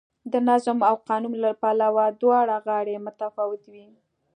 د نظم او قانون له پلوه دواړه غاړې متفاوتې وې.